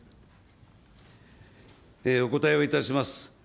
お答えをいたします。